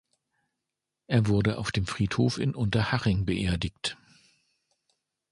Er wurde auf dem Friedhof in Unterhaching beerdigt.